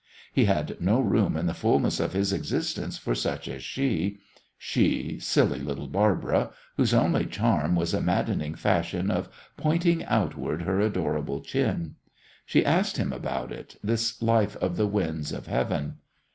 He had no room in the fulness of his existence for such as she she, silly little Barbara, whose only charm was a maddening fashion of pointing outward her adorable chin. She asked him about it, this life of the winds of heaven.